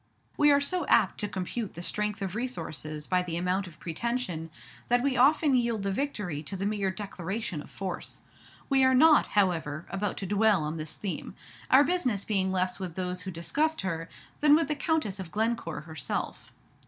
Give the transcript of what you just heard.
We are so apt to compute the strength of resources by the amount of pretension that we often yield the victory to the mere declaration of force. We are not, however, about to dwell on this theme, our business being less with those who discussed her, than with the Countess of Glencore herself.